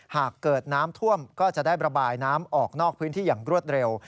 หากเกิดน้ำท่วมก็จะได้ระบายน้ำออกนอกพื้นที่อย่างรวดเร็ว